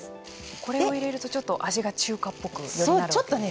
これを入れるとちょっと味が中華っぽくよりなるわけですね。